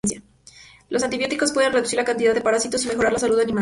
Los antibióticos pueden reducir la cantidad de parásitos y mejorar la salud del animal.